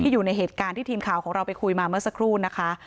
อยู่ในเหตุการณ์ที่ทีมข่าวของเราไปคุยมาเมื่อสักครู่นะคะ